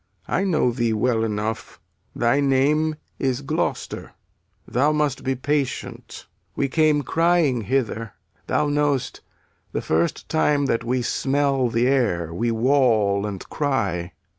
I know thee well enough; thy name is Gloucester. Thou must be patient. We came crying hither; Thou know'st, the first time that we smell the air We wawl and cry.